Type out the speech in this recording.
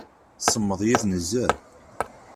Semmeḍ yiḍ nezzeh.